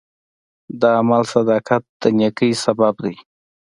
د عمل صداقت د نیکۍ سبب دی.